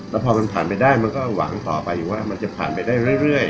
แล้วพอมันผ่านไปได้มันก็หวังต่อไปอยู่ว่ามันจะผ่านไปได้เรื่อย